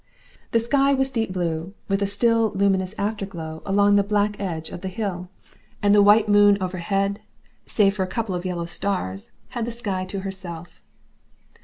The sky was deep blue, with a still luminous afterglow along the black edge of the hill, and the white moon overhead, save for a couple of yellow stars, had the sky to herself.